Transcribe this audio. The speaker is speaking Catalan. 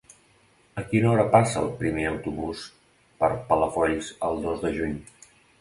A quina hora passa el primer autobús per Palafolls el dos de juny?